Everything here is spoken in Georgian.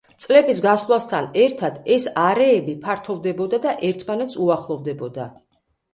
წლების გასვლასთან ერთად ეს არეები ფართოვდებოდა და ერთმანეთს უახლოვდებოდა.